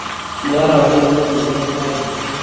Ki oroken ye kiker mbarenyi